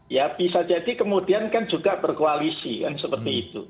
ya bisa jadi kemudian kan juga berkoalisi kan seperti itu